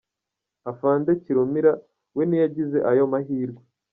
Afande Kirumira we ntiyagize ayo mahirwe.